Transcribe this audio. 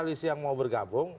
koalisi yang mau bergabung